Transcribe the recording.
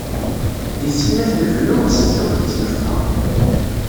Di sin ad t-nebnu, s zzux d tnefxa.